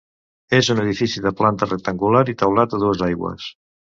És un edifici de planta rectangular i teulat a dues aigües.